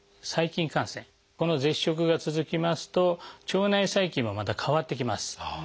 この絶食が続きますと腸内細菌もまた変わってきます。